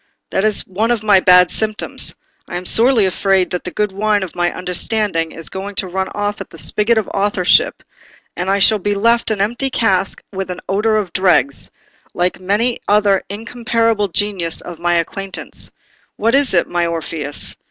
That is one of my bad symptoms: I am sorely afraid that the good wine of my understanding is going to run off at the spigot of authorship, and I shall be left an empty cask with an odour of dregs, like many another incomparable genius of my acquaintance. What is it, my Orpheus?"